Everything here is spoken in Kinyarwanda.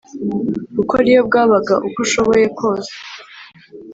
gukora iyo bwabaga, uko ushoboye kose